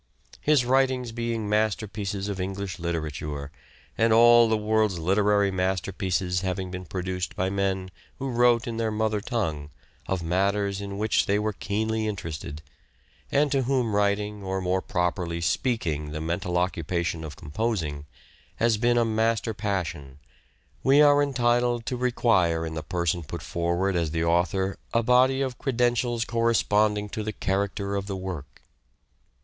His writings being masterpieces of English literature, and all the world's literary masterpieces having been produced by men who wrote in their mother tongue of matters in which they were keenly interested, and to whom writing, or more properly speaking the mental occupation of composing, has been a master passion, we are entitled to require in the person put forward as the author a body of THE AUTHOR— GENERAL FEATURES 113 credentials corresponding to the character of the work.